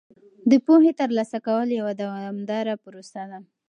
د پوهې ترلاسه کول یوه دوامداره پروسه ده.